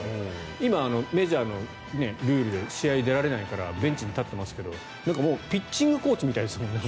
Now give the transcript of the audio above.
今、メジャーのルールで試合に出られないからベンチに立ってますけどピッチングコーチみたいですもんね。